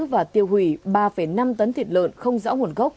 và tiêu hủy ba năm tấn thịt lợn không rõ nguồn gốc